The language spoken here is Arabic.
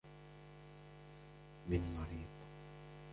من مريض ؟